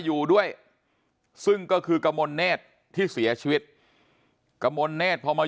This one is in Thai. อยู่ด้วยซึ่งก็คือกระมวลเนธที่เสียชีวิตกระมวลเนธพอมา